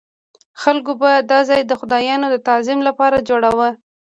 خلکو به دا ځای د خدایانو د تعظیم لپاره جوړاوه.